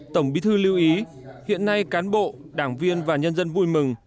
tổng bí thư lưu ý hiện nay cán bộ đảng viên và nhân dân vui mừng